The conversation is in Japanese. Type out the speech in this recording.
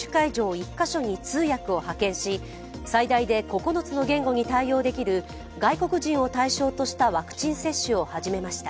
１カ所に通訳を派遣し、最大で９つの言語に対応できる外国人を対象としたワクチン接種を始めました。